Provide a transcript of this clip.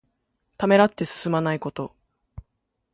ためらって進まないこと。